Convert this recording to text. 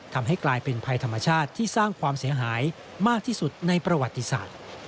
ทำให้กลายเป็นภัยธรรมชาติที่สร้างความเสียหายมากที่สุดในประวัติศาสตร์